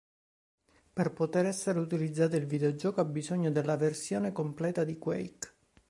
Per poter essere utilizzato, il videogioco ha bisogno della versione completa di "Quake".